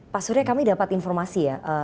pak surya kami dapat informasi ya